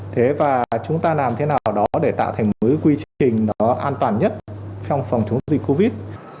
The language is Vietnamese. thế và chúng ta làm thế nào đó để tạo thành một quy trình nó an toàn nhất trong phòng chống dịch covid